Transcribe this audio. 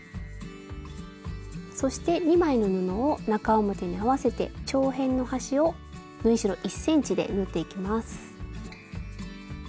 そして２枚の布を中表に合わせて長辺の端を縫い代１ｃｍで縫っていきます。